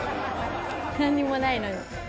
なんにもないのに。